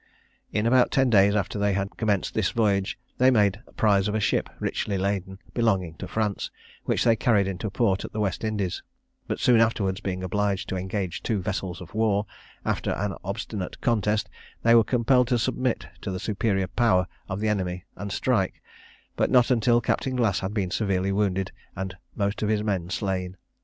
In about ten days after they had commenced this voyage, they made prize of a ship, richly laden, belonging to France, which they carried into a port in the West Indies; but soon afterwards, being obliged to engage two vessels of war, after an obstinate contest they were compelled to submit to the superior power of the enemy and strike, but not until Captain Glass had been severely wounded and most of his men slain.